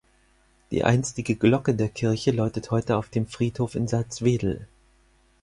Die einstige Glocke der Kirche läutet heute auf dem Friedhof in Salzwedel.